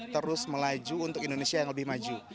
terus melaju untuk indonesia yang lebih maju